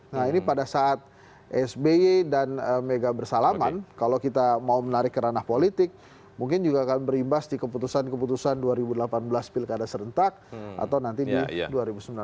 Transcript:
nah ini pada saat sby dan mega bersalaman kalau kita mau menarik ke ranah politik mungkin juga akan berimbas di keputusan keputusan dua ribu delapan belas pilkada serentak atau nanti di dua ribu sembilan belas